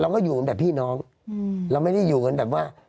ก็อยู่กันแต่พี่น้องเราไม่ได้อยู่กันแบบว่า